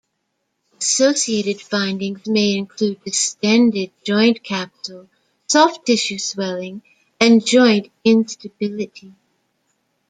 Associated findings may include distended joint capsule, soft-tissue swelling, and joint instability.